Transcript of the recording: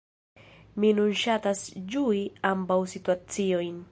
Mi nun ŝatas ĝui ambaŭ situaciojn.